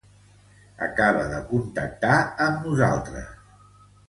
Acaba de contactar amb nosaltres.